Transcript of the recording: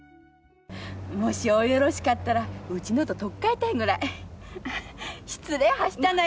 もしおよろしかったら、うちのととっかえたいぐらい。